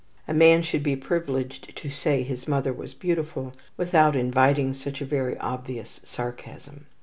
A man should be privileged to say his mother was beautiful, without inviting such a very obvious sarcasm.